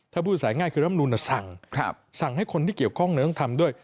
ถ้าพูดใส่ง่ายคือรัฐธรรมนุนจะสั่งสั่งให้คนที่เกี่ยวข้องต้องทำด้วย